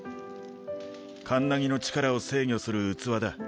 カンナギの力を制御する器だ。